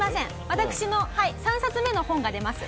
私の３冊目の本が出ます。